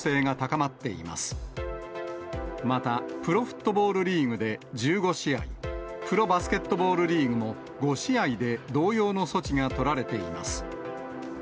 またプロフットボールリーグで１５試合、プロバスケットボールリーグも５試合で同様の措置が取られています。